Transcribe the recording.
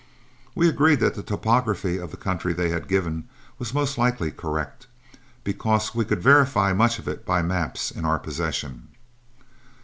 We agreed that the topography of the country they had given was most likely correct, because we could verify much of it by maps in our possession.